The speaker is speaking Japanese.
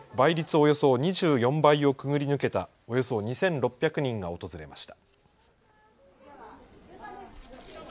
およそ２４倍をくぐり抜けたおよそ２６００人が訪れました。